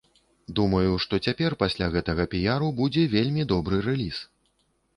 Думаю, што цяпер, пасля гэтага піяру, будзе вельмі добры рэліз.